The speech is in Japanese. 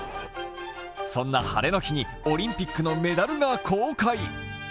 そんなハレの日にオリンピックのメダルが公開。